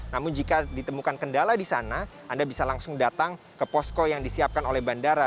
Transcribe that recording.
namun jika ditemukan kendala di sana anda bisa langsung datang ke posko yang disiapkan oleh bandara